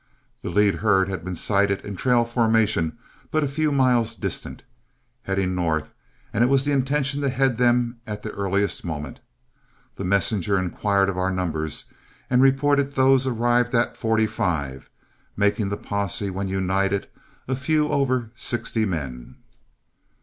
The lead herd had been sighted in trail formation but a few miles distant, heading north, and it was the intention to head them at the earliest moment. The messenger inquired our numbers, and reported those arrived at forty five, making the posse when united a few over sixty men.